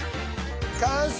完成！